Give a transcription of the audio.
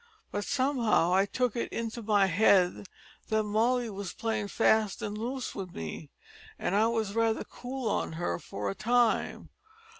But somehow I took it into my head that Molly was playin' fast an' loose with me, an' I was raither cool on her for a time.